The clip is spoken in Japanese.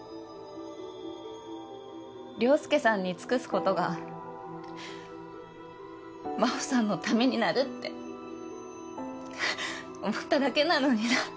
凌介さんに尽くすことが真帆さんのためになるって思っただけなのにな。